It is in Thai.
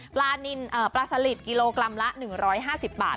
ปลาสลิดกิโลกรัมละ๑๕๐บาท